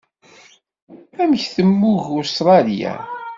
Amek temmug Usetṛalya?